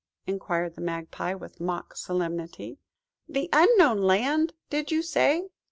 inquired the Magpie with mock solemnity–"The Unknown Land, did you say?